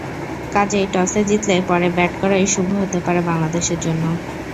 কাজেই টসে জিতলে পরে ব্যাট করাই শুভ হতে পারে বাংলাদেশের জন্য।